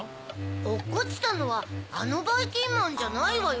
おっこちたのはあのばいきんまんじゃないわよ